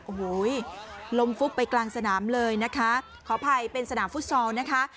โอ้โหลมฟุบไปกลางสนามเลยนะคะขออภัยเป็นสนามฟุตซอลนะคะ